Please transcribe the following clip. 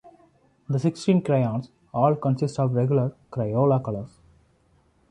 The sixteen crayons all consisted of regular Crayola colors.